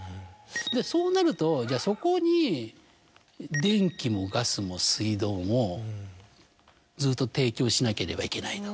そうなるとそこに電気もガスも水道もずっと提供しなければいけない。